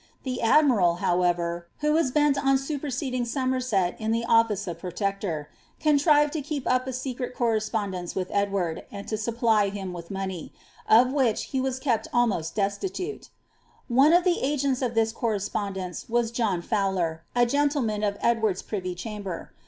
Tlic Mfmiral, howL rer, who was bent on 8uper«edi))g Soinersei in itie olliee of protector, contrived lo keep up a secret COTrespondence with Cilwaril, maa to supply him with money, of which he wsa kept alnxwi ilesiitule.' One of the agents of this coirespondence was John Fowler, a penile man of Eilward's privy ctiamber.